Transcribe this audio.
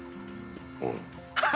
うん。